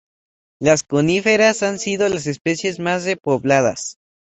Las coníferas han sido las especies más repobladas.